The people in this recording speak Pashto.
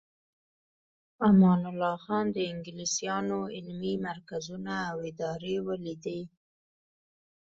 امان الله خان د انګلیسانو علمي مرکزونه او ادارې ولیدې.